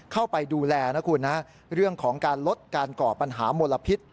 เข้าไปดูแลนะคุณนะเรื่องของการลดการก่อปัญหามลพิษ